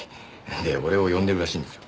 で俺を呼んでるらしいんですよ。